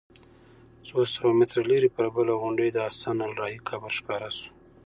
څو سوه متره لرې پر بله غونډۍ د حسن الراعي قبر ښکاره شو.